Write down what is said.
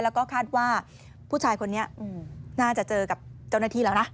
แล้วก็คาดว่าผู้ชายคนนี้น่าจะเจอกับเจ้าหน้าที่แล้วนะ